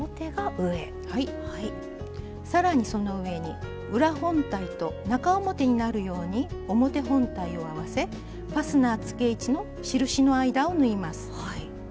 さらにその上に裏本体と中表になるように表本体を合わせファスナーつけ位置の印の間を縫います。